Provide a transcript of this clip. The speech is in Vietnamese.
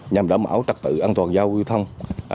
nhằm đảm ảo trạc tự an toàn giao thông